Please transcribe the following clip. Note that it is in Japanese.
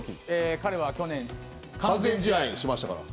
彼は去年完全試合しましたから。